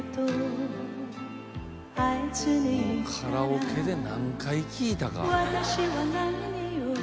もうカラオケで何回聴いたか。